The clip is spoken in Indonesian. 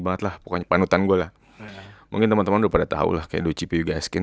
bangetlah pokoknya panutan gua lah mungkin teman temannya pada tahu lah kaya di ugp gaskin